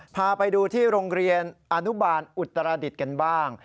พาไปดูที่โรงเรียนอนุบาลอุตรดิษฐ์กันบ้าง